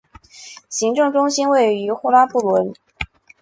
行政中心位于霍拉布伦。